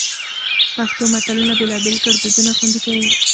پښتو متلونه بېلابېل ګړدودونه خوندي کوي